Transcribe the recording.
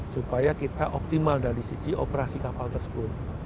supaya kita optimal dari sisi operasi kapal tersebut